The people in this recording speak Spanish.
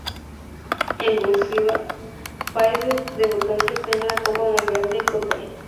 En "cursiva", países debutantes en la Copa Mundial de Fútbol.